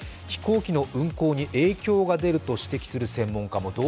飛行機の運航に影響が出ると指摘する専門家も。